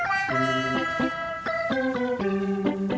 bapak sudah berhasil menangkap sobri